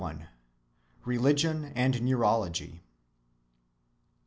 RELIGION AND NEUROLOGY.